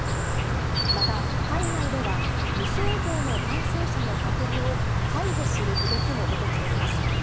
また、海外では無症状の感染者の隔離を解除する動きも出てきています。